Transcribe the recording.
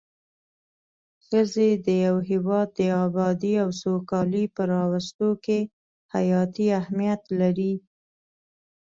ښځی د يو هيواد د ابادي او سوکالي په راوستو کي حياتي اهميت لري